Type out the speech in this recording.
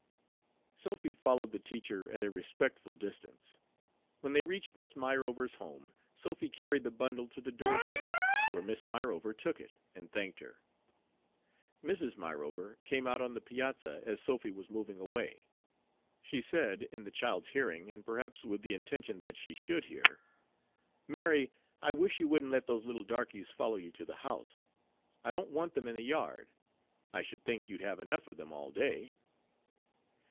Sophy followed the teacher at a respectful distance. When they reached Miss Myrover's home, Sophy carried the bundle to the doorstep, where Miss Myrover took it and thanked her. Mrs. Myrover came out on the piazza as Sophy was moving away. She said, in the child's hearing, and perhaps with the intention that she should hear: "Mary, I wish you wouldn't let those little darkeys follow you to the house. I don't want them in the yard. I should think you 'd have enough of them all day."